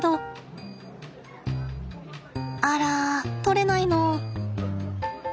あら取れないの。